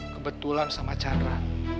kebetulan sama chandra